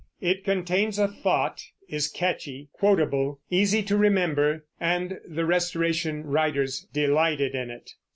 It contains a thought, is catchy, quotable, easy to remember; and the Restoration writers delighted in it.